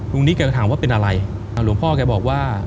ลุงนิดก็ถามว่าเป็นอะไรหลวงพ่อกันบอกว่า